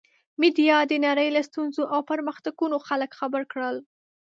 میډیا د نړۍ له ستونزو او پرمختګونو خلک خبر کړل.